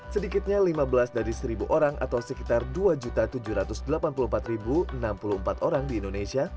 sedikitnya lima belas dari seribu orang atau sekitar dua tujuh ratus delapan puluh empat enam puluh empat orang di indonesia